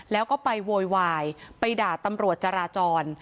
แล้วก็ไปโวยวายไปด่าตำรวจจราจร